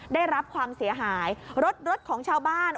ได้รับความเสียหายรถรถของชาวบ้าน